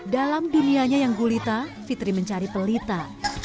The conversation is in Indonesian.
dalam dunianya yang gulita fitri mencari pelita